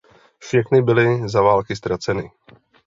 Všechny byly za války ztraceny.